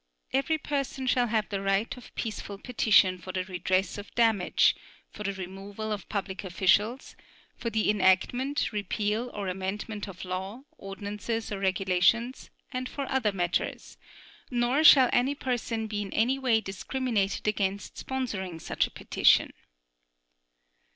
Every person shall have the right of peaceful petition for the redress of damage, for the removal of public officials, for the enactment, repeal or amendment of law, ordinances or regulations and for other matters, nor shall any person be in any way discriminated against sponsoring such a petition.